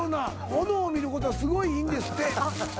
炎を見ることはすごいいいんですって。